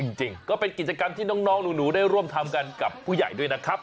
จริงก็เป็นกิจกรรมที่น้องหนูได้ร่วมทำกันกับผู้ใหญ่ด้วยนะครับ